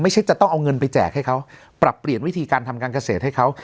จะต้องเอาเงินไปแจกให้เขาปรับเปลี่ยนวิธีการทำการเกษตรให้เขา